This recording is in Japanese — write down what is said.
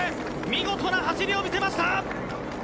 見事な走りを見せました！